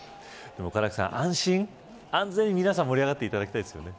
唐木さん、安心安全に皆さん盛り上がっていただきたいですよね。